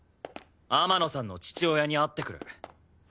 天野さんの父親に会ってくる。